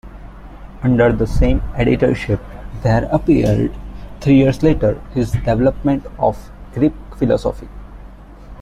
Under the same editorship there appeared, three years later, his "Development of Greek Philosophy".